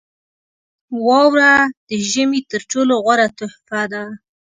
• واوره د ژمي تر ټولو غوره تحفه ده.